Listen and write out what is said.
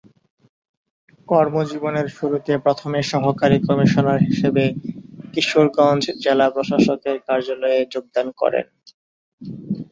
কর্মজীবনের শুরুতে প্রথমে সহকারী কমিশনার হিসেবে কিশোরগঞ্জ জেলা প্রশাসকের কার্যালয়ে যোগদান করেন।